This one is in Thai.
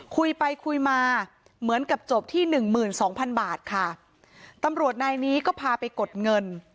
คุยไปคุยมาเหมือนกับจบที่หนึ่งหมื่นสองพันบาทค่ะตำรวจนายนี้ก็พาไปกดเงิน